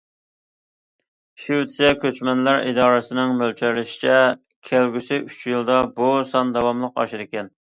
شىۋېتسىيە كۆچمەنلەر ئىدارىسىنىڭ مۆلچەرلىشىچە، كەلگۈسى ئۈچ يىلدا بۇ سان داۋاملىق ئاشىدىكەن.